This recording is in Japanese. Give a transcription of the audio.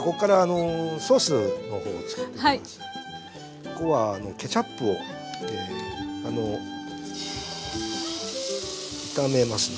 ここはケチャップをあの炒めますね。